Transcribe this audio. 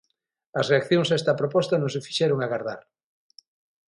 As reaccións a esta proposta non se fixeron agardar.